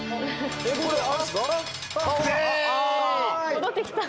戻ってきた。